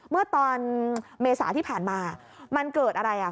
เมื่อเมษาที่ผ่านมามันเกิดอะไร